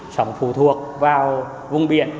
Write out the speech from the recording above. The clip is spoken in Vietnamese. sống phù thuộc vào vùng biển